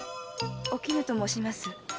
“おきぬ”と申します。